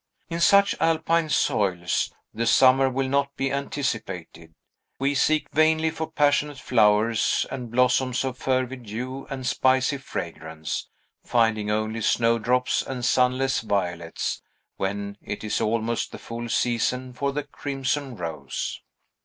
In such alpine soils, the summer will not be anticipated; we seek vainly for passionate flowers, and blossoms of fervid hue and spicy fragrance, finding only snowdrops and sunless violets, when it is almost the full season for the crimson rose.